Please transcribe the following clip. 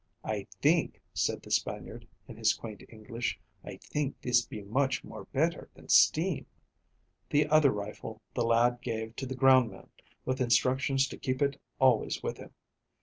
"I think," said the Spaniard in his quaint English, "I think this be much more better than steam." The other rifle the lad gave to the ground man, with instructions to keep it always with him.